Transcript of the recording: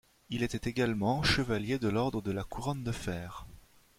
Il était également chevalier de l'Ordre de la Couronne de fer.